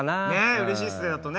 うれしいですけどね。